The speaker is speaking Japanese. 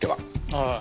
ああ。